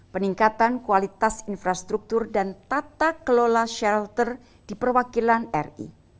peningkatan kualitas infrastruktur dan tata kelola shelter di perwakilan ri